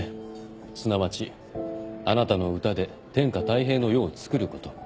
すなわちあなたの歌で天下泰平の世をつくること。